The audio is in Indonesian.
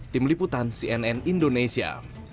tim liputan cnn indonesia